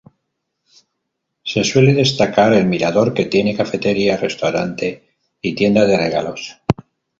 Se suele destacar el mirador, que tiene cafetería, restaurante y tienda de regalos.